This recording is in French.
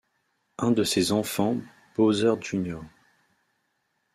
Un de ses enfants Bowser Jr.